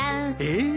えっ？